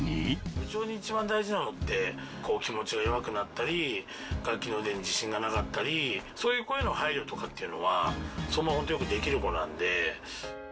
部長に一番大事なのって、気持ちが弱くなったり、楽器の腕に自信がなかったり、そういう子への配慮とかっていうのは、相馬は本当によくできる子なんで。